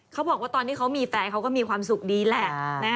เขาบอกว่าตอนที่เขามีแฟนเขาก็มีความสุขดีแหละ